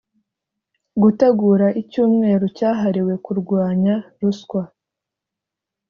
Gutegura icyumweru cyahariwe kurwanya ruswa